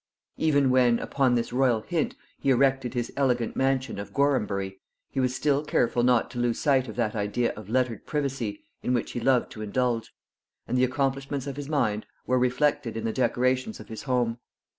Even when, upon this royal hint, he erected his elegant mansion of Gorhambury, he was still careful not to lose sight of that idea of lettered privacy in which he loved to indulge; and the accomplishments of his mind were reflected in the decorations of his home.